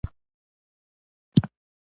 ژبه یې په عام و خاص دواړو کې شریکه ده.